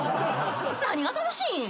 何が楽しいん？